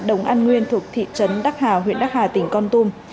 đồng an nguyên thuộc thị trấn đắc hà huyện đắc hà tỉnh con tum